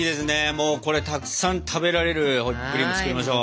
もうこれたくさん食べられるホイップクリーム作りましょう。